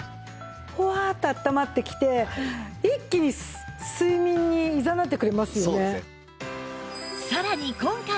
ほわっとあったまってきて一気に睡眠にいざなってくれますよね。